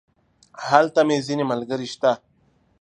هلته مې ځينې ملګري شته.